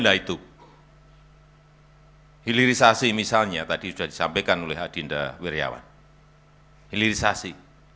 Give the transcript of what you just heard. hinda itu hilirisasi misalnya tadi sudah disampaikan oleh adinda wirjawan hilirisasi